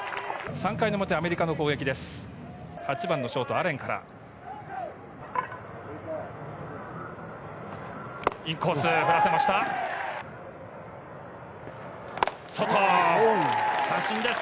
３回の表、アメリカの攻撃です。